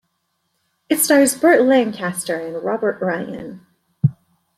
It stars Burt Lancaster and Robert Ryan.